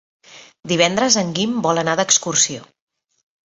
Divendres en Guim vol anar d'excursió.